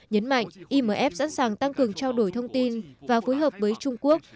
nhấn mạnh imf sẵn sàng tăng cường trao đổi thông tin và phối hợp với trung quốc